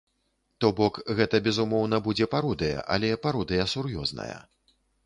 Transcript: То бок, гэта безумоўна будзе пародыя, але пародыя сур'ёзная.